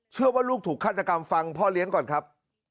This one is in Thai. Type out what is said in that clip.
ลูกถูกฆาตกรรมฟังพ่อเลี้ยงก่อนครับ